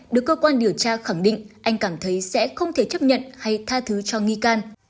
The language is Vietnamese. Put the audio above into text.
được cơ quan điều tra khẳng định anh cảm thấy sẽ không thể chấp nhận hay tha thứ cho nghi can